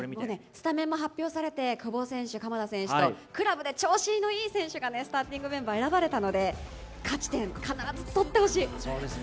スタメンも発表されて久保選手、鎌田選手とクラブで調子のいい選手がスターティングメンバーに選ばれたので勝ち点とって欲しい。